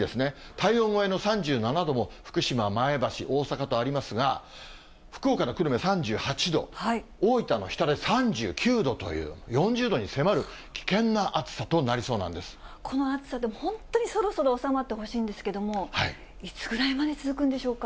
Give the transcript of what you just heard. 体温超えの３７度も福島、前橋、大阪とありますが、福岡の久留米３８度、大分の日田で３９度という、４０度に迫る危険な暑さとなりそこの暑さ、本当にそろそろ収まってほしいんですけれども、いつぐらいまで続くんでしょうか？